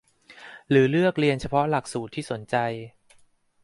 หรือเลือกเรียนเฉพาะหลักสูตรที่สนใจ